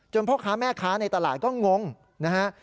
พ่อค้าแม่ค้าในตลาดก็งงนะฮะ